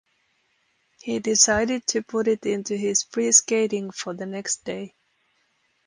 He decided to put it into his free skating for the next day.